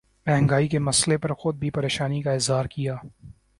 مہنگائی کے مسئلے پر خود بھی پریشانی کا اظہار کیا